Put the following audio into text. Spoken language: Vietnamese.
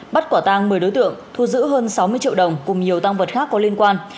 bắt quả tang một mươi đối tượng thu giữ hơn sáu mươi triệu đồng cùng nhiều tăng vật khác có liên quan